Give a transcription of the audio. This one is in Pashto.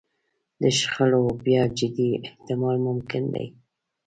د شخړو بیا جدي احتمال ممکن دی.